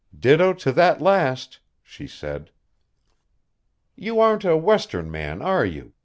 "Ditto to that last," she said. "You aren't a western man, are you?"